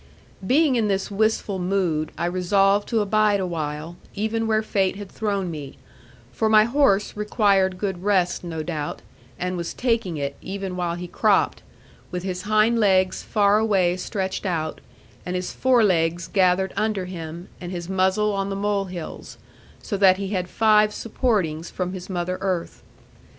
Being in this wistful mood, I resolved to abide awhile, even where fate had thrown me; for my horse required good rest no doubt, and was taking it even while he cropped, with his hind legs far away stretched out, and his forelegs gathered under him, and his muzzle on the mole hills; so that he had five supportings from his mother earth.